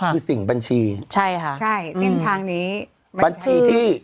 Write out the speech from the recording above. คือสิ่งบัญชี